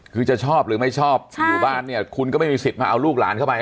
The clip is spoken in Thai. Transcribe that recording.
คือจะชอบหรือไม่ชอบอยู่บ้านเนี่ยคุณก็ไม่มีสิทธิ์มาเอาลูกหลานเข้าไป